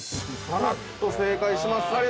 ◆さらっと正解しますね。